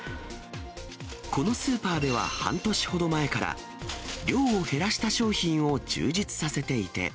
このスーパーでは半年ほど前から、量を減らした商品を充実させていて。